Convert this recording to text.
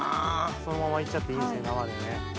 そのまま行っちゃっていいんですね生でね。